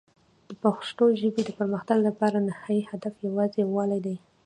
د پښتو ژبې د پرمختګ لپاره نهایي هدف یوازې یووالی دی.